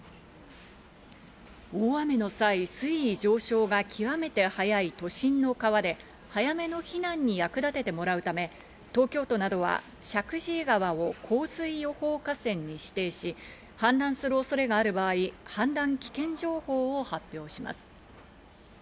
大雨の際、水位上昇が極めて早い都心の川で早めの避難に役立ててもらうため、東京都などは石神井川を洪水予報河川に指定し、氾濫する恐れがある場合、氾濫危険情報を発表します。